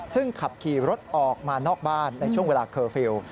ซึ่งขับขี่รถออกมานอกบ้านในช่วงเวลาเคอร์ฟิลล์